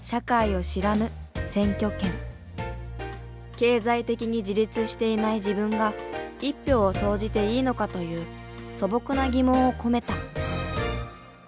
経済的に自立していない自分が一票を投じていいのかという素朴な疑問を込めた。